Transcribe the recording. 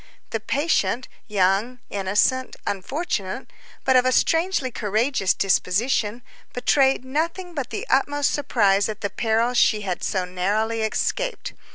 The patient, young, innocent, unfortunate, but of a strangely courageous disposition, betrayed nothing but the utmost surprise at the peril she had so narrowly escaped.